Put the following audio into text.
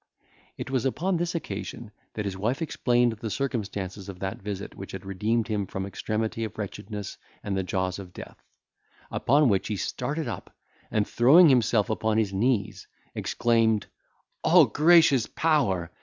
It was upon this occasion that his wife explained the circumstances of that visit which had redeemed him from extremity of wretchedness and the jaws of death; upon which he started up, and throwing himself upon his knees, exclaimed, "All gracious Power!